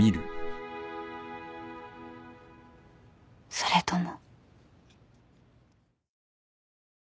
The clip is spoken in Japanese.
［それとも］